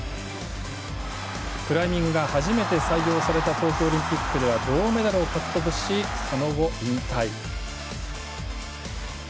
クライミングが初めて採用された東京オリンピックでは銅メダルを獲得し、その後、引退。